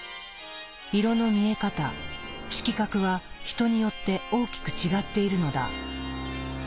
色の見え方「色覚」は人によって大きく違っているのだ。